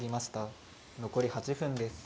残り８分です。